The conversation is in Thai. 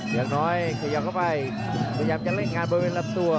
ยังน้อยเขยอกเข้าไปพยายามเล่นงานบวนเว่นลำตัว